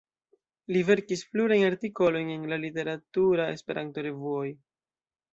Li verkis plurajn artikolojn en la literaturaj esperanto-revuoj.